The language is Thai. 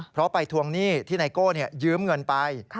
เพราะไปทวงหนี้ที่ไนโก้ยืมเงินไป